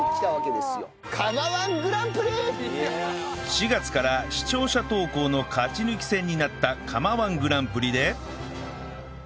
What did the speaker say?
４月から視聴者投稿の勝ち抜き戦になった釜 −１ グランプリで